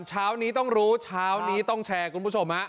เช้าตอนนี้ต้องรู้ต้องแชร์